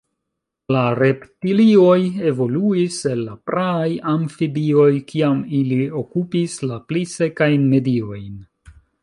La reptilioj evoluis el la praaj amfibioj, kiam ili okupis la pli sekajn mediojn.